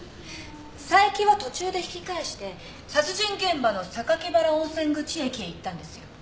佐伯は途中で引き返して殺人現場の榊原温泉口駅へ行ったんですよ。